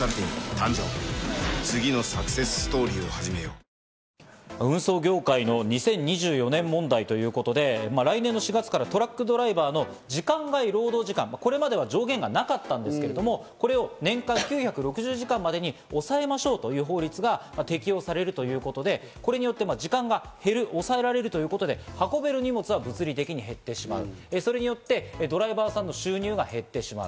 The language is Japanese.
シミの原因に根本アプローチ運送業界の２０２４年問題ということで、来年の４月からトラックドライバーの時間外労働時間、これまでは上限がなかったんですけれども、これを年間９６０時間までに抑えましょうという法律が適用されるということで、これによって、時間が抑えられるということで、運べる荷物が物理的に減ってしまう。